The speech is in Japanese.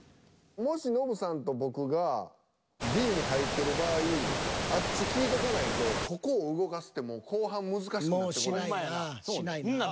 もしノブさんと僕がＢに入ってる場合あっち聞いとかないとここを動かすってもう後半難しくなってこないですか？